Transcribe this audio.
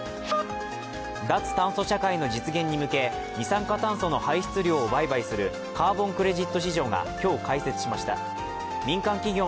脱炭素社会の実現に向け、二酸化炭素の排出量を売買するカーボン・クレジット市場が今日、開設しました。